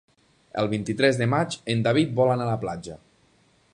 El vint-i-tres de maig en David vol anar a la platja.